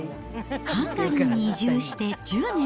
ハンガリーに移住して１０年。